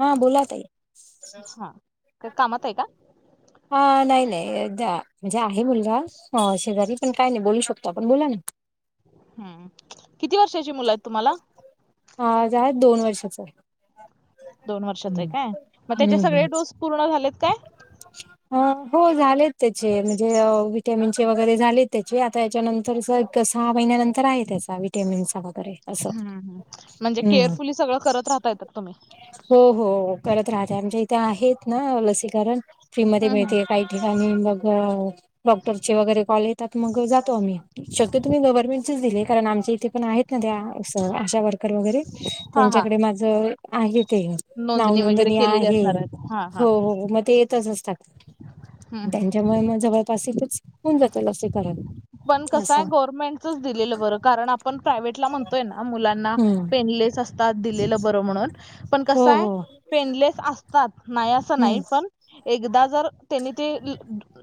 हा बोला त आहे का कामात आहे का? हा नाही नाही, द म्हणजे आहे मुलगा अ शेजारी, पण काय नाही बोलू शकतो आपण बोला ना. हम्म, किती वर्षाची मुलं आहेत तुम्हाला? माझी आहेत दोन वर्षाचा. दोन वर्षाचे आहे काय, मग त्याचे सगळे डोस पूर्ण झालेत काय? [unintelligible] ह हो झालेत त्याचे, म्हणजे व्हिटॅमिन चे वगैरे झालेत त्याचे आता याच्यानंतरच त सहा महिन्यानंतर आहे त्याचा व्हिटॅमिनचा वगैरे. असं हम्म हम्म, म्हणजे हम्म केअरफुली सगळं करत राहताय तर तुम्ही? हो हो, करत राहते आमच्या इथे आहेत ना लसीकरण फ्रीमध्ये हम्म, हम्म. मिळते काही आणि मग अ डॉक्टरचे वगैरे कॉल ये तात मग जातो आम्ही, शक्यतो मी गव्हर्नमेंटचेच दिलेत. कारण आमच्या इथे पण आहेत ना त्या, असं आशा वर्कर वगैरे हां, हां. त्यांच्याकडे माझं आहे ते, नोंदणी वगैरे नावनोंदणी केलेली आहे, असणार हां, हां. हो हो म ते येतच असतात, हम्म, हम्म. त्यांच्यामुळे मग जवळपास इथच होऊन जातं लसीकरण. पण कसं आहे असं गव्हर्नमेंटचच दिलेलं बरं, कारण आपण प्रायव्हेटला म्हणतोय ना मुलांना हम्म पेनलेस अस तात दिलेलं बर म्हणून, पण हो कसंय, हो पेनलेस असतात नाही असं हम्म नाही पण एकदा जर त्यांनी ते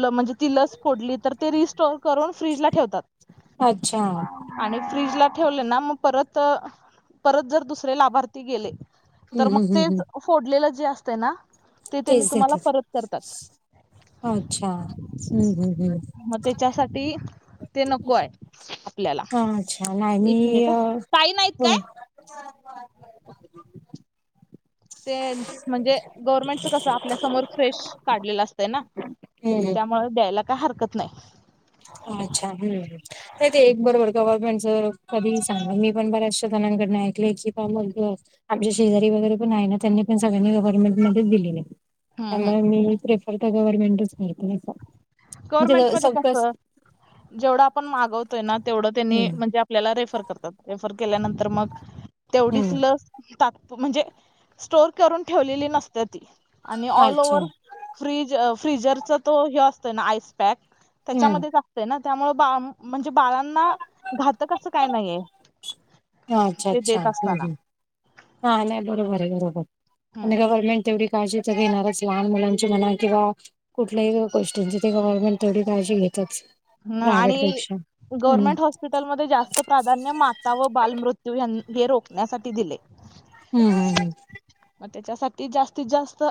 ल म्हणजे ती ल फोडली तर ते रिस्टोर करून फ्रीज ला ठेवतात. अच्छा हम्म आणि फ्रीज ला ठेवले ना, मग परत परत जर दुसरे लाभार्थी गेले तर मग हम्म हम्म हम्म तेच फोडलेलं जे असतंय ना, ते त्यांनी तेच तुम्हाला देतात परत करतात. अच्छा, हम्म हम्म हम्म. मग त्याच्यासाठी ते नको आहे आपल्याला. अच्छा नाही मी एक मिनिट आ, अ ताई नाहीत हो काय? [unintelligible] ते म्हणजे गव्हर्नमेंटच कसं आपल्यासमोर फ्रेश काढलेलं असतंय ना. हम्म त्यामुळे द्यायला काय हरकत नाही. अच्छा हम्म. नाही ते एक बरोबर गव्हर्नमेंटच कधी ही चांगल, मी पण बऱ्याचशा जणांकडन ऐकलेय की [unintelligible] आमच्या शेजारी वगैरे पण आहे ना त्यांनी पण सगळ्यांनी गव्हर्नमेंट मध्येच दिलेली आहे. त्यामुळं मी ही प्रेफर तर गव्हर्नमेंटच करते, नाही का. गव्हर्मेंट म्हणजे मध्ये सगळंच कसं, जेवढं आपण मागवतोय ना तेवढं त्यांनी हम्म म्हणजे आ आपल्याला रेफर करतात, रेफर केल्यानंतर मग तेवढीच हम्म लस तात्पु, म्हणजे स्टोर करून ठेवलेली नसते ती आणि ऑल अच्छा ओव्हर फ्रीज फ्रीजरचा तो हे असतोय ना आईसपॅक हम्म त्याच्यामध्येच असतय ना त्यामुळे बा म्हणजे बाळांना घातक असं काय नाहीये. अच्छा ते अच्छा, देत हम्म असताना हम्म, हा नाही बरोबर आहे बरोबर आणि गव्हर्नमेंट तेवढी काळजी तर घेणारच लहान मुलांची म्हणा किंवा कुठल्याही गोष्टींची ते गव्हर्नमेंट तेवढी काळजी घेतेच. म आणि गव्हर्नमेंट हॉस् स्पिटल म जास्त प्राधान्य माता व बालमृत्यू ह्या हे रोखण्यासाठी दिले. हम्म हम्म मग त्याच्यासाठी जास्तीत जास्त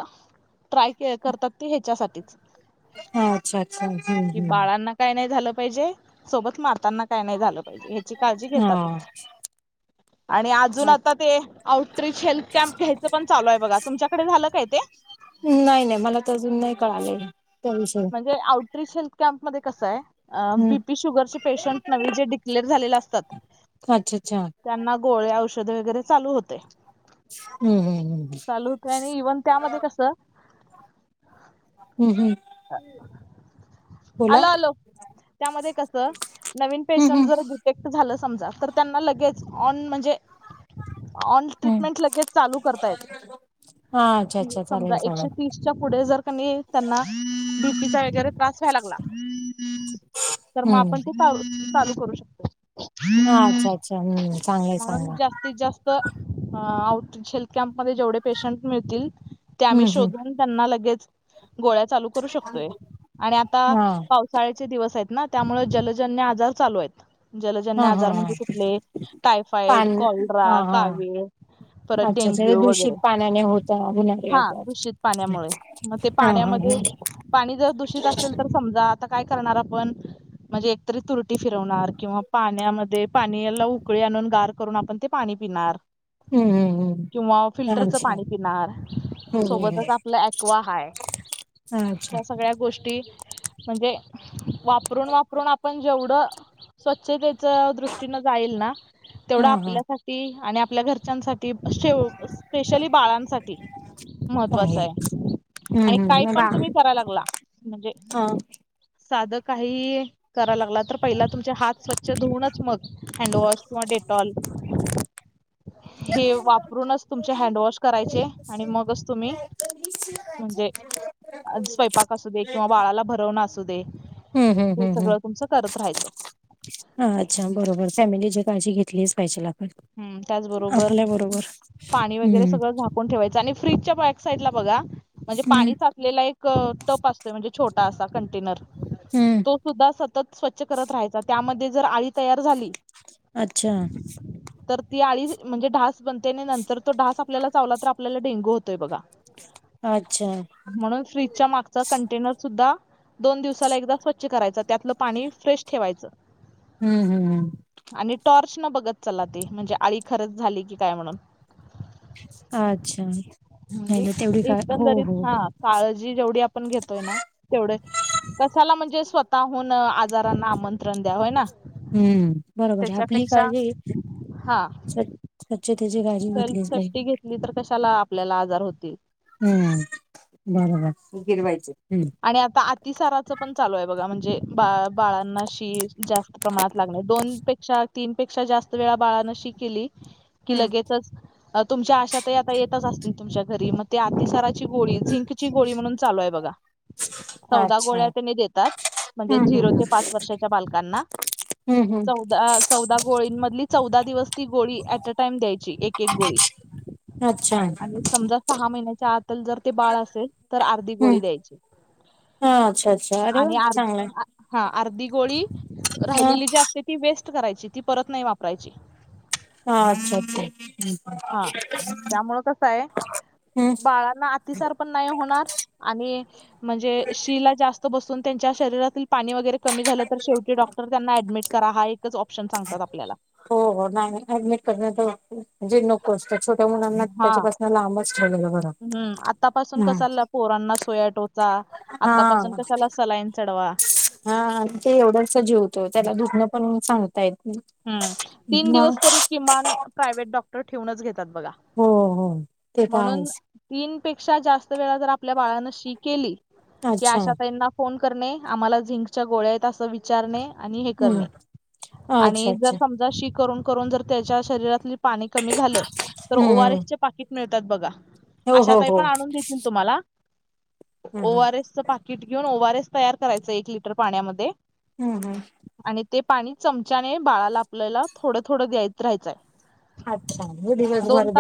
ट्राय के करतात ते ह्याच्यासाठीच. हा अच्छा अच्छा. कि हम्म बाळांना कायं नाही झालं पाहिजे सोबत मातांना काय नाही झालं पाहिजे, ह्याची काळजी घेतात हा आणि अजून आता ते आउटरी हेल्थ कॅम्प घ्यायचं पण चालू आहे बघा, तुमच्याकडे झालं काय ते? नाही नाही, मला तर अजून नाही कळालंय. त्या विषयी म्हणजे आउटरीच हेल्थ कॅम्प मध्ये कसं आहे? हम्म बी पी शुगर चे पेशंट नवी जे ड्लेअर झाले असतात. अच्छा अच्छा! त्यांना गोळे औषधे वगैरे चालू होते. हम्म हम् हम् ह्. चालू होत आणि इव्हन त्यामध्ये कसं. हम् हम्. अ हः आलो आलो त्यामध्ये कसं नवीन हम्म पेशंट हम्म जर. एक तं झालं समजा तर त्यांना लगेच ऑन म्हणजे. ऑन हम्म ट्रीटमेंट लगेच चालू करता येते. हा अच्छा अच्छा चालेल समजा एकशे चालेल तीसच्या पुढे जर का नी त्यांना. बीपी चा वैगरे त्रास व्हाय लागला तर मग हम्म आपण. चा चालू करू शकतो. ह अच्छा अच्छा हम्म चांगलाय चांगलय. ते जास्त अ आउट हेल्थ कॅम्प म जेवढे पेशंट मिळतील ते आम्ही हम्म हम्म शोधून. त्यांना लगेच गोळ्या चालू करू शकतोय आणि आता हा पाऊस साळेचे दिवस आहेत ना त्यामुळे जलजन्य आजार चालू आहेत. जलजन्य हा हा आजार हा म्हणजे कुठले टायफाईड, पान कॉलड्रा, हा हा कावीळ, परत अच्छा अच्छा हे डेंग्यू दूषित वगैरे पाण्याने होत होणारे हा आजार दूषित पाण्यामुळे मगं ते हा हा पाण्यामध्ये हा. पाणी जर दूषित असेल तर समजा आता काय करणार आपण. म्हणजे एकतरी तुरटी फिरवणार किंवा पाण्यामध्ये पाणीयला उकळी आणून गार करून आपण ते पाणी पिणार हम्म हम्म हम्म किंवा फिल्टरच अच्छा पाणी पिणार. हम्म सोबतचं हम्म आपलं ॲक्वा हाय. अच्छा ह्या सगळ्या गोष्टी म्हणजे वापरून वापरून आपण जेवढं. स्वच्छतेचं दृष्टीनं जाईल ना तेवढं हा हा आपल्यासाठी आणि आपल्या घरच्यांसाठी. ते शेव स्पेशली बाळांसाठी महत्त्वाचं चांगलाय. हाय हम्म आणि काही हम्म मग बा पण तुम्ही कराय लागला म्हणजे हा. साध काही. कराया लागला तर पहिला तुमचे हात स्वच्छ धुऊूनच मग हँडवॉश किंवा डेटॉल, [inaudible] हे वापरूनच तुमचे हँडवॉश करायचे आणि मगच तुम्ही म्हणजे. स्वयंपाक असू दे किंवा बाळाला भरवणं असू दे. हम्म हम्म हे हम्म हम्. सगळं तुमचं करत राहायचं. हा अच्छा बरोबर फॅमिली ची काळजी घेतलीचं पाहिजे ला. हम्म त्याचबरोबर आपल्या बरोबर हम्म. कोण ठेवायचं आणि फ्रीजच्या बॅक साईडला बघा म्हणजे हम्म पाणी साच. लेला एक टप असतोय म्हणजे छोटासा कंटेनर. हम्म. तो सुद्धा सततं स्वच्छ करत राहायचा त्यामध्ये जर आळी तयार झाली. अच्छा! तर ती आळी म्हणजे ढास बनते आणि नंतर तो ढास आपल्याला चावला तर आपल्याला डेंगू होतोय बघा. अच्छा म्हणून फ्रीजच्या मागचा कंटेनर सुद्धा. दोन दिवसाला एकदा स्वच्छ करायचा त्यातलं पाणी फ्रेश ठेवायचं. हम्म हम् हम. आणि टॉर्च न बघत चला ते म्हणजे आळी खरंच झाली की काय म्हणून. अच्छा म्हणजे नाही ना तेवढी काळ हो एकंदरीत हो. हा काळजी जेवढी आपण घेतोय ना तेवढं. कशाला म्हणजे स्वतःहून आजारांना आमंत्रण द्या होय ना. हम्म बरोबरं आपली त्याच्यापेक्षा काळजी. हा स्वचं स्वच्छतेची काळजी घेतलीच नाही. नी तर कशाला आपल्याला आजार होतील. हम्म बरोबर. गिरवायच हम्म. आणि आता अतिसाराचं पण चालू आहे बघा म्हणजे बा बाळांना शी जास्त प्रमाणात लागणे दोन पे तीन पेक्षा जास्त वेळा बाळान शी केली की हम्म. लगेचच तुमच्या आशा त आता येतच असतील तुमच्या घरी मग ते अतिसाराची गोळी झिंकची गोळी म्हणून चालू आहे बघा. चौदा अच्छा गोळ्या त्यांनी देतात म्हणजे हम्म झिरो हम्म. ते पाच वर्षाच्या बालकांना. हम्म हम्म चौदा चौदा गोळींमधली चौदा दिवस ती गोळी ऍट अ टाईम द्यायची एक एक गोळी. अच्छा आणि समजा सहा महिन्याच्या आतल जर ते बाळ असेल तर अर्धी गोळी हम्म द्यायची. हा अच्छा ज आणि हा अर्धी गोळी हा राहिलेली जा ते ती वेस्ट करायची. ती परत नाही वापरायची. हा अच्छा अच्छा. हम्म. हा त्यामुळ कसं हाय? बाळांना अतिसार पण नाही होणार आणि म्हणजे शी ला जास् तो बसून त्यांच्या शरीरातील पाणी वगैरे कमी झालं तर शेवटी डॉक्टर त्यांना ऍडमिट करा हा एकच ऑप्शन सांगतात आपल्याला. हो हो. नाही ऍडमिट करण जे नको असत छोट्या मुलांना हा त्याच्यापा न लांबच ठेवलेलं बरं. हम्म. आतापसून हम्म कसाला पोरांना सुया टोचा. हा आतापासून कशाला सलाईन चढवा. हा आणि ते एवढंस जेवतो त्याला दुखणं पण सांगता येत हम्म. तीन मग दिवस तरी किमान प्रायव्हेट डॉक्टर ठेवूनच घेतात बघा. हो हो ते त म्हणून आहेच. तीन पेक्षा जास्त वेळा जर आपल्या बाळानं शी केली की अच्छा आशा ताईंना फोन करणे. आम्हाला झिंकच्या गोळ्या आहेत असं विचारणे आणि हे हम्म करणे. आणि अच्छा जर अच्छा समजा शी करून करून जर त्याच्या शरीरातली पाणी कमी झालं, तर हम्म हम्म ओआरएस पाकीट मिळतात बघा. हो हो आशाताई हो पण आणून देेतील तुम्हाला. हम्म हम्म ओआरएसचं पाकिट घेऊन ओआरएस तयार करायचं एक लिटर पाण्यामध्ये. हम्म हम्म. आणि ते पाणी चमच्याने बाळाला आपल्याला थोडं थोडं देत राहायचय. अच्छा. दिवसभर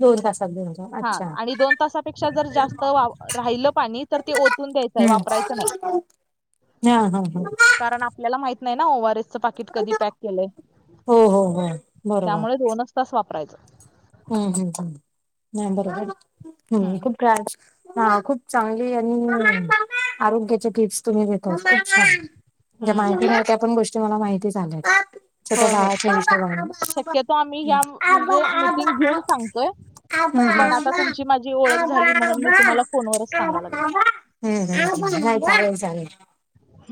दोन तासात दो हा आणि दोन तासापेक्षा जर जास्त वा राहिल पाणी तर ते ओतून द्यायचं हम्म वापरायचं नाही. [inaudible] हा हा हा. कारण आपल्याला माहित नाही ना. ओआरएस च पाकीट कधी पॅक केलंय. हो हो हो बरोबर त्यामुळे दोनच तास वापरायचं. हम्म हम्म हम्म. नाय बरोबर हम्म. खुप हा खूप चांगली आणि आरोग्याचे टिप्स तुम्ही देताय. खूप छान. ज्या हम्म माहिती नाही त्या पण गोष्टी मला माहिती झाल्यात. तिथे होय होय जायचं नसतं. आबा आबा आबा भिऊन सांगतोय? पण आता तुमची माझी ओळख झाली म्हणून मी तुम्हाला फोनवरच सांगा लाग हम्म हम्म हम्म चालेल चालेल.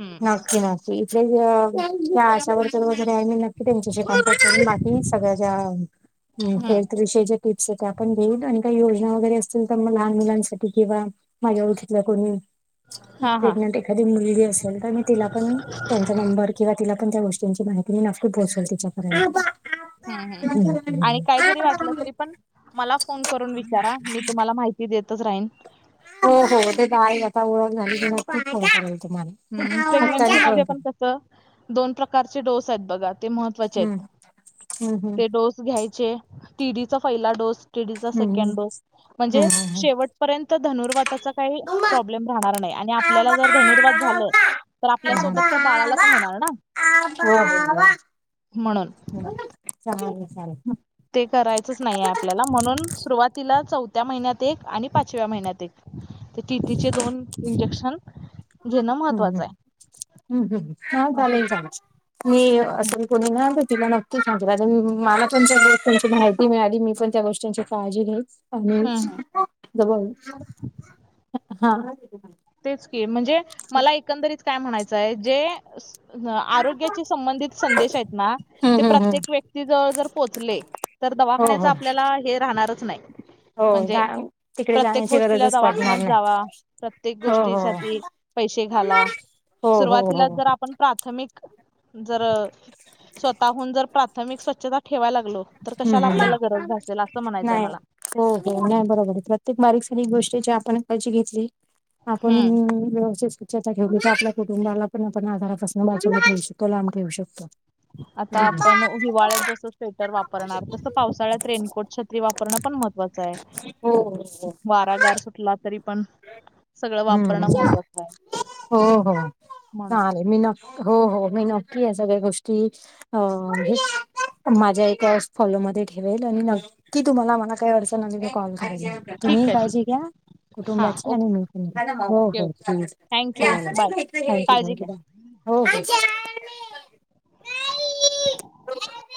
हम्म नक्की नक्की इथले आशावर [unintelligible] नक्की तुमच्याशी कॉन्टॅक्ट करेन बाकी सगळ्या ज्या हेल्थ हम्म विषयी टिप्स आपण देऊ आणि काही योजना वगैरे असतील तर लहान मुलांसाठी किंवा माझ्या ओळखीतल्या कोणी हा हा प्रेगनंट एखादी मुलगी असेल तिला पण त्यांचा नंबर किंवा तिला पण त्या गोष्टींची माहिती मी नक्की पोहोचल तिच्या प हम्म हम्म पर्यंत आणि काय जरी वाटलं तरी [inaudible] पण मला फोन करून विचारा मी तुम्हाला माहिती देतच राहीन हो हो ते तई आता ओळख झाली क मग खूप फल तुम्हाला हम्म प्रेग्नेन्सी हक्काने मध्ये फोन पण करेल. कसं दोन प्रकारचे डोस आहेत बघा ते महत्त्वाचे हम्म आहेत हम्म हम्म ते डोस घ्यायचे टीडी चा पहिला डोस टीडीचा हम्म सेकंड डोस म्हणजे हम्म हम्म शेवट पर्यंत धनुर्वाताचा काय हम्म. प्राॅबलेम राहणार नाही आणि आपल्याला आबा जर धनुर्वात झालं आबा तर आपल्यासोबत आबा त्या बाळाला पण होणार ना म्हणून [unintelligible] चालेल चालेल ते करायचंच नाही आहे आपल्याला म्हणून सुरुवातीला चौथ्या महिन्यात एक आणि पाचव्या महिन्यात एक ते टीटीचे दोन इंजेक्शन घेणं हम्म महत्त्वाचं हम् आहे हम्म हम्म हम हा मग ते चालेल चालेल मी हम्म असे कोणी ना तिला नक्की सांगितलं मला पण त्या गोष्टीची माहिती मिळाली मी पण त्या गोष्टी त्यांची काळजी हेच हम्म [inaudible] हा तेच की म्हणजे मला एकंदरीत काय म्हणायचंय जे आरोग्याच्या संबंधित संदेश आहेत ना हम्म ते हम्म हम्म प्रत्येक व्यक् व्यक्तीजवळ जर पोचले तर हो हो दवाखान्याचा आपल्याला हे राहणारच नाही हो म्हणजे जा तिकडे प्रत्येक जाण्याची गोष्टीला गरजच पडणार दवाखान्यात नाही जावा प्रत्येक हो हो गोष्टीसाठी पैसे घाला हो हो सुरवातीला हो जर आपण प्राथमिक जर स्वतःहून जर प्राथमिक स्वछता ठेवाय लागलो तर कशाला हम्म आपल्याला गरज हम्म भासेल असं म्हणायचंय नाही मला हो हो नाही बरोबर आहे प्रत्येक बारीक सारीक गोष्टीची आपण काळजी घेतली आपण हम्म व्यवस्थित स्वछता ठेवली की आपल्या कुटुंबाला पण आपण आधारापासून वाचवू शकतो लांब ठेऊ शकतो आता आपण हिवाळ्यात जस स्वेटर वापरणार तसं पावसाळ्यात रेनकोट छत्री वापरणं पण महत्त्वाचं आहे हो वारा हो. गार सुटला तरी पण सगळं वापरणं हम्म महत्वाचं आहे हो हो म्हणून चालेल मी नक् हो हो मी नक्की या सगळ्या गोष्टी अ हे माझ्या फॉलोमध्ये ठेवेल आणि नक्की तुम्हाला मला काही अडचण आली की मी कॉल करेन ठीक तुम्हीही आहे ठीक काळजी आहे घ्या हा कुटुंबाची आणि ओके मी ओके ओके पण घेते थँक्यू बाय चालेल थँक्यू काळजी थँक्यू घ्या बाय हो हो हो [unintelligible]